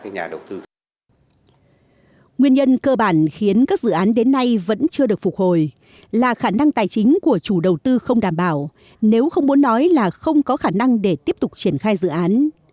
nguyên nhân cơ bản khiến các dự án đến nay vẫn chưa được phục hồi là khả năng tài chính của chủ đầu tư không đảm bảo nếu không muốn nói là không có khả năng để tiếp tục triển khai dự án